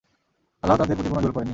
আল্লাহ্ তাদের প্রতি কোন জুলুম করেননি।